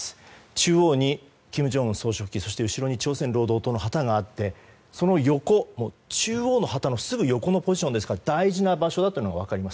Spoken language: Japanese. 中央に金正恩総書記後ろに朝鮮労働党の旗があり中央の旗のすぐ横のポジションですから大事な場所だというのが分かります。